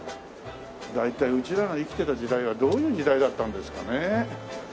大体うちらの生きてた時代はどういう時代だったんですかね。